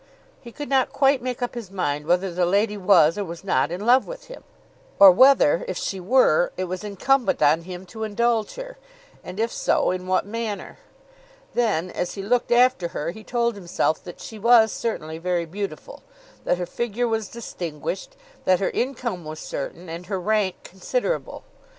He could not quite make up his mind whether the lady was or was not in love with him, or whether, if she were, it was incumbent on him to indulge her; and if so, in what manner. Then as he looked after her, he told himself that she was certainly very beautiful, that her figure was distinguished, that her income was certain, and her rank considerable.